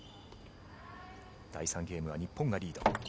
第３ゲームは日本がリード。